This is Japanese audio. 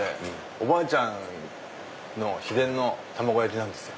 おばあちゃんの秘伝の卵焼きなんですよ。